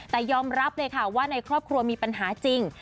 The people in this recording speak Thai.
แต่ยอมรับเลยค่ะว่าในครอบครัวมีปัญหาจริง